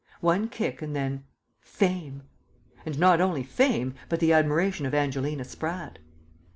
One kick and then ... Fame! And, not only Fame, but the admiration of Angelina Spratt.